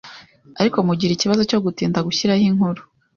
ariko mugira ikibazo cyo gutinda gushyiraho inkuru